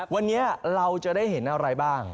วันนี้เราจะได้เห็นอะไรบ้าง